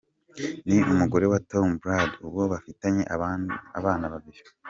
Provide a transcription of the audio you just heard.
Ni umugore wa Tom Brady, ubu bafitanye abana babiri.